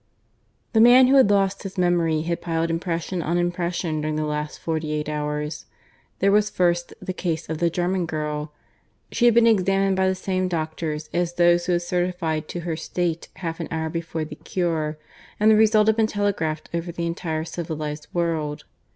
The man who had lost his memory had piled impression on impression during the last forty eight hours. There was first the case of the German girl. She had been examined by the same doctors as those who had certified to her state half an hour before the cure, and the result had been telegraphed over the entire civilized world.